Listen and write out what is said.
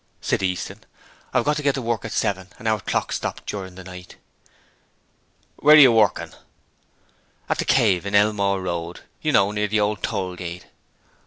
said Easton. 'I've got to get to work at seven and our clock stopped during the night.' 'Where are you working?' 'At "The Cave" in Elmore Road. You know, near the old toll gate.'